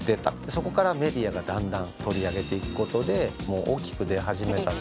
そこからメディアがだんだん取り上げていくことでもう大きく出始めた。